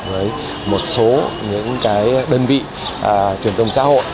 với một số những cái đơn vị truyền thông xã hội